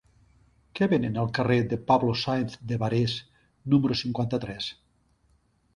Què venen al carrer de Pablo Sáenz de Barés número cinquanta-tres?